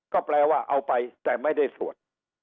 ก็แปลว่าเอาไปแต่ไม่ได้สวด